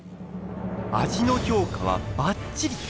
味の評価はバッチリ。